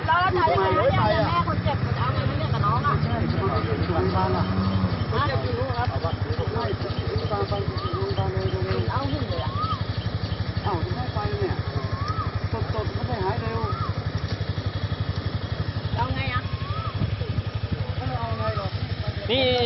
อ่ะนี่คนเจ็บอยู่นี่คนเจ็บอยู่นี่